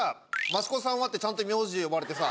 「益子さんは」ってちゃんと名字で呼ばれてさ。